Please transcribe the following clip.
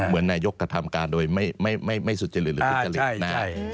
เมินนายกรกระทำการโดยไม่สุดเจริญหรือพิจาริก